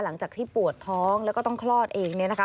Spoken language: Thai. หลังจากที่ปวดท้องแล้วก็ต้องคลอดเองเนี่ยนะคะ